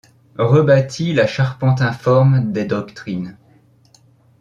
Rebâtis la charpente informe des doctrines ;